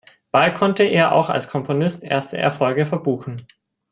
Bald konnte er auch als Komponist erste Erfolge verbuchen.